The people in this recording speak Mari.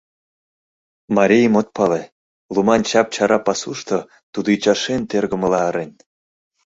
Марийым от пале: луман чап-чара пасушто тудо ӱчашен тӧргымыла ырен.